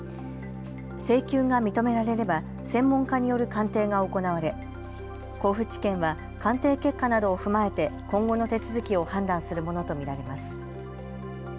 請求が認められれば専門家による鑑定が行われ甲府地検は鑑定結果などを踏まえて今後の手続きを判断するものと見られます。